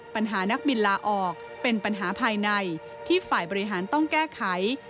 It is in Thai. นักบินลาออกเป็นปัญหาภายในที่ฝ่ายบริหารต้องแก้ไข